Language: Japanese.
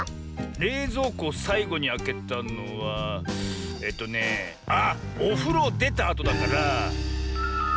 れいぞうこをさいごにあけたのはえっとねあっおふろをでたあとだから。